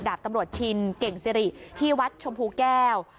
ดาบตำรวจชิงกิ่งซิริย์ที่วัดชมพูแก้ว